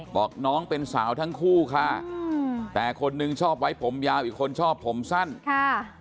บอกน้องเป็นสาวทั้งคู่ค่ะอืมแต่คนนึงชอบไว้ผมยาวอีกคนชอบผมสั้นค่ะ